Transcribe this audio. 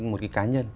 một cái cá nhân